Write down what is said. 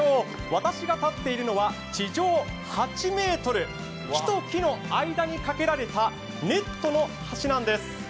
私が立っているのは地上８ｍ、木と木の間にかけられたネットの端なんです。